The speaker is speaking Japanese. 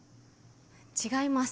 違います